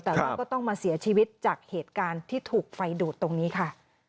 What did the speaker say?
แต่ว่าก็ต้องมาเสียชีวิตจากเหตุการณ์ที่ถูกไฟดูดตรงนี้ค่ะ